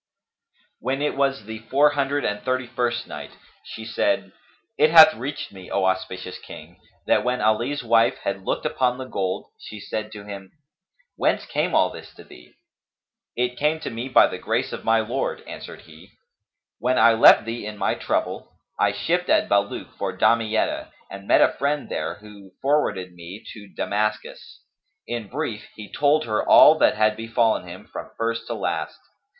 When it was the Four Hundred and Thirty first Night, She said, It hath reached me, O auspicious King, that when Ali's wife had looked upon the gold she said to him, "Whence came all this to thee?" "It came to me by the grace of my Lord," answered he: "When I left thee in my trouble, I shipped at Bulak for Damietta and met a friend there who forwarded me to Damascus": in brief he told her all that had befallen him, from first to last.